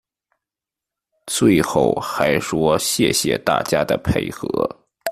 最后还说谢谢大家的配合